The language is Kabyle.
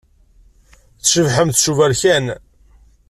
Tcebḥemt s uberkan.